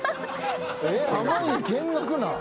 濱家見学なん？